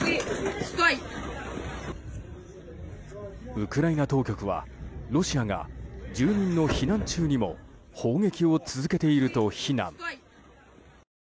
ウクライナ当局はロシアが住民の避難中にも砲撃を続けていると非難。